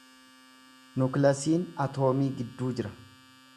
Nukilasiin atoomii gidduu jira.